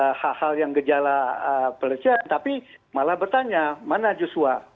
ada hal hal yang gejala pelecehan tapi malah bertanya mana joshua